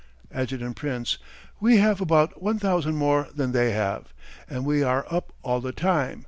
Adjt. Prince: We have about 1000 more than they have, and we are up all the time.